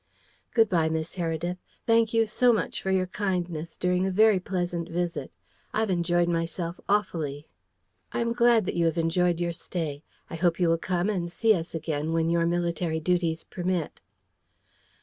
"Good bye, Miss Heredith. Thank you so much for your kindness during a very pleasant visit. I've enjoyed myself awfully." "I am glad that you have enjoyed your stay. I hope you will come and see us again when your military duties permit."